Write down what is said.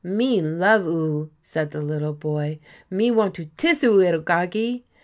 "Me love oo," said the little boy; "me wan' to tiss oo, 'ittle goggie!"